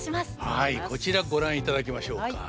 はいこちらご覧いただきましょうか。